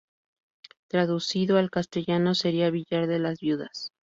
Traducido al castellano sería "Villar de las Viudas".